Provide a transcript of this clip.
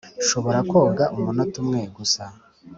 nshobora koga umunota umwe gusa